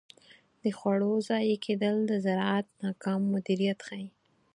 د خوړو ضایع کیدل د زراعت ناکام مدیریت ښيي.